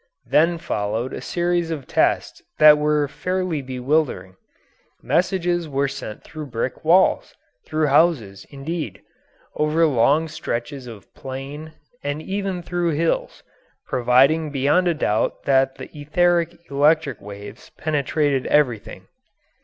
Then followed a series of tests that were fairly bewildering. Messages were sent through brick walls through houses, indeed over long stretches of plain, and even through hills, proving beyond a doubt that the etheric electric waves penetrated everything.